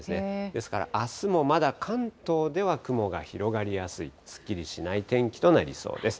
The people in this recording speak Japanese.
ですからあすもまだ関東では雲が広がりやすい、すっきりしない天気となりそうです。